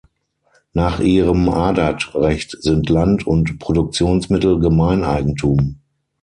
Nach ihrem "Adat"-Recht sind Land und Produktionsmittel Gemeineigentum.